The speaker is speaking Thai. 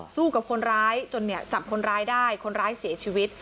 สู้กับคนร้ายจนเนี่ยจับคนร้ายได้คนร้ายเสียชีวิต